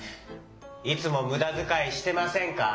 いつもむだづかいしてませんか？